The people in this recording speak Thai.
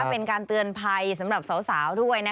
เป็นการเตือนภัยสำหรับสาวด้วย